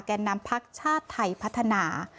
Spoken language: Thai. แก่นำภักดิ์ชาติไทยพัฒนา